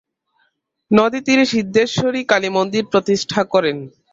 নদী তীরে সিদ্ধেশ্বরী কালী মন্দির প্রতিষ্ঠা করেন।